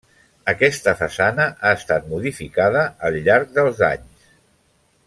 Aquesta façana ha estat modificada al llarg dels anys.